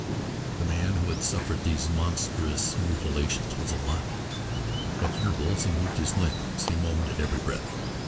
The man who had suffered these monstrous mutilations was alive. At intervals he moved his limbs; he moaned at every breath.